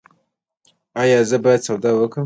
ایا زه باید سودا وکړم؟